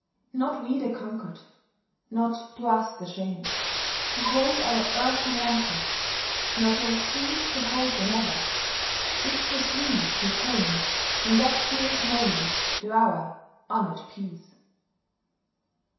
Not we the conquered! Not to us the shame, Who hold our earthen ramparts, nor shall cease To hold them ever; victors we, who came In that fierce moment to our honoured peace.